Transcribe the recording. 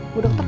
ya udah mas